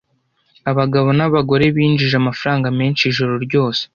Abagabo n'abagore binjije amafaranga menshi ijoro ryose.